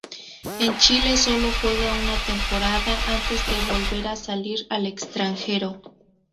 En Chile solo juega una temporada antes de volver a salir al extranjero.